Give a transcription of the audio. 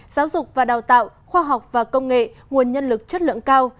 giáo dục và đào tạo khoa học và công nghệ nguồn nhân lực chất lượng cao